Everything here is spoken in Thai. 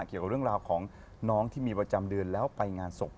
เกี่ยวกับเรื่องราวของน้องที่มีประจำเดือนแล้วไปงานศพ